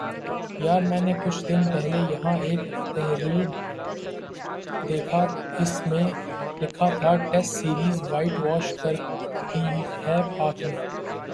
یار میں نے کچھ دن پہلے یہاں ایک تھریڈ دیکھا اس میں لکھا تھا ٹیسٹ سیریز وائٹ واش کر دی ہے پاک نے